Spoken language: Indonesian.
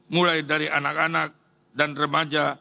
mulai dari anak anak dan remaja